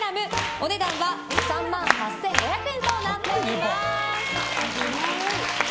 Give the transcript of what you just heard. お値段は３万８５００円となっております。